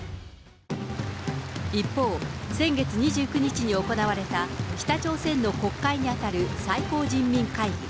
一方、先月２９日に行われた北朝鮮の国会に当たる最高人民会議。